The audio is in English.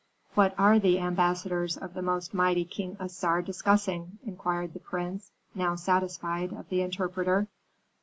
"What are the ambassadors of the most mighty King Assar discussing?" inquired the prince, now satisfied, of the interpreter.